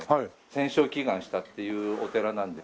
戦勝祈願したっていうお寺なんで。